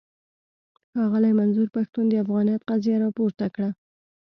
ښاغلي منظور پښتين د افغانيت قضيه راپورته کړه.